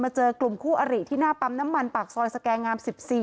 เจอกลุ่มคู่อริที่หน้าปั๊มน้ำมันปากซอยสแกงาม๑๔